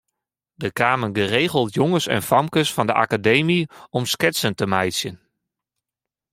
Der kamen geregeld jonges en famkes fan de Akademy om sketsen te meitsjen.